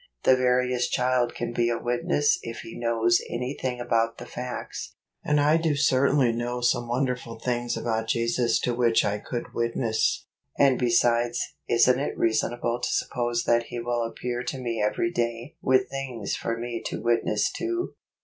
The veriest child can be a witness if he knows any thing about the facts; and I do certainly know some wonderful things about Jesus to which I could witness; and besides, isn't it reasonable to suppose that He will appear to me every day with things for me to witness to